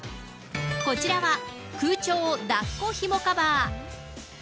こちらは空調抱っこひもカバー。